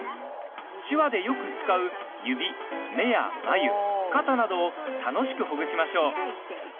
手話でよく使う指、目や眉肩などを楽しくほぐしましょう。